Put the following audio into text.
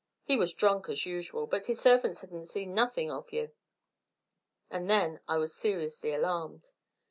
He was drunk as usual, but his servants hedn't seen nothin' of you, and then I was seriously alarmed.